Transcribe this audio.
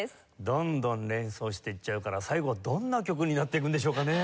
どんどん連想していっちゃうから最後はどんな曲になっていくんでしょうかね？